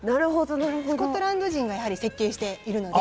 スコットランド人がやはり設計しているので。